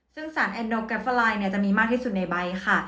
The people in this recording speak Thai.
ซึ่งสารแอนโดแกฟอไลน์จะมีมากที่สุดในใบค่ะ